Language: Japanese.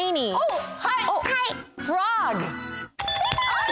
はい！